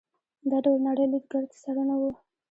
دا ډول نړۍ لید ګرد سره نه وو.